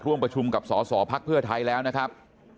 ร่วมประชุมกับสอสอภักดิ์เพื่อไทยแล้วนะครับ